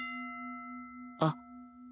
あっ。